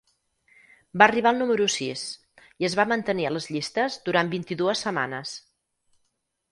Va arribar al número sis i es va mantenir a les llistes durant vint-i-dues setmanes.